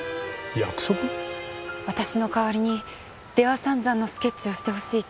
私の代わりに出羽三山のスケッチをしてほしいと。